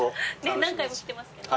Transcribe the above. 何回も来てますけどね